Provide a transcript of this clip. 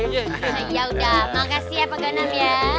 yaudah makasih ya pak ganam ya